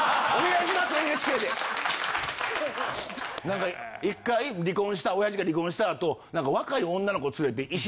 何か１回親父が離婚した後若い女の子連れて。